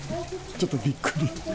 ちょっとびっくり。